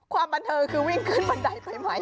ความบันเทิงคือวิ่งขึ้นบันไดไปไหม